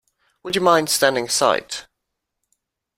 Would you mind standing aside?